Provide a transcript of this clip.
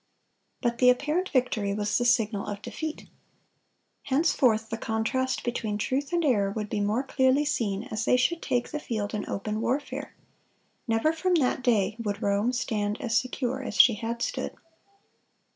But the apparent victory was the signal of defeat. Henceforth the contrast between truth and error would be more clearly seen, as they should take the field in open warfare. Never from that day would Rome stand as secure as she had stood.